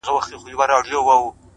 فکرونه د عملونو سرچینه ده’